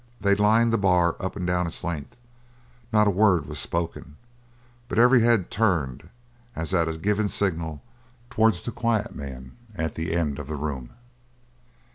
They lined the bar up and down its length; not a word was spoken; but every head turned as at a given signal towards the quiet man at the end of the room.